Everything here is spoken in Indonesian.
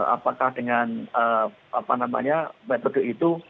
apakah dengan apa namanya metode itu